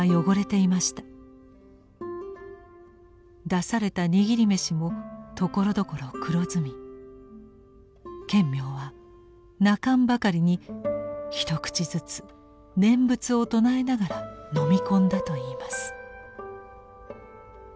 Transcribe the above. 出された握り飯もところどころ黒ずみ顕明は泣かんばかりに一口ずつ念仏を称えながら飲み込んだといいます。